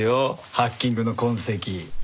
ハッキングの痕跡。